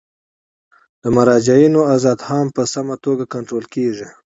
د مراجعینو ازدحام په سمه توګه کنټرول کیږي.